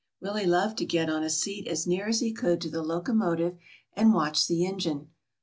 Willie loved to get on a seat as near as he could to the locomotive and watch the engine.